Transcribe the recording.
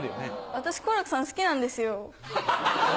私好楽さん好きなんですよ。